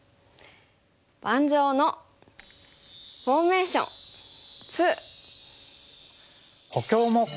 「盤上のフォーメーション２」。